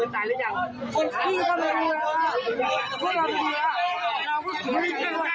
พวกนั้นอ่ะ